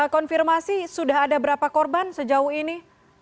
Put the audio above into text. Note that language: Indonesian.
konfirmasi sudah ada berapa korban sejauh ini